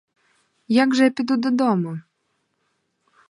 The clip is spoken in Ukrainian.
Як же я піду додому?!